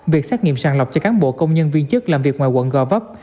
việc xét nghiệm sàng lọc cho cán bộ công nhân viên chức làm việc ngoài quận gò vấp